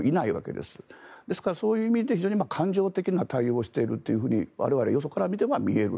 ですから、そういう意味で感情的な対応をしていると我々、よそから見てそう見える。